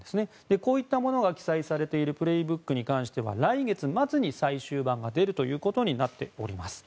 こういったものが記載されている「プレイブック」については来月末に最終版が出ることになっております。